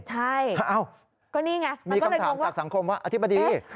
ใช่มีคำถามจากสังคมว่าอธิบดี